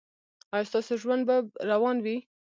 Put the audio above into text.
ایا ستاسو ژوند به روان وي؟